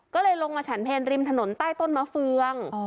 ก็เลยลงมาฉันเพลริมถนนใต้ต้นมะเฟือง